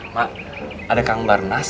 mak adakah barnaz